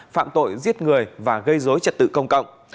phạm tội giết người và gây dối trật tự công cộng